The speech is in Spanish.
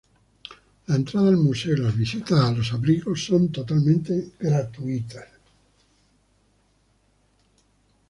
La entrada al museo y las visitas a los abrigos son totalmente gratuitas.